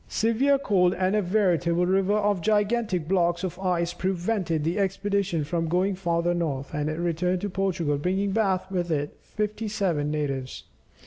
Severe cold, and a veritable river of gigantic blocks of ice prevented the expedition from going farther north, and it returned to Portugal bringing back with it fifty seven natives.